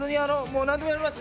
もう。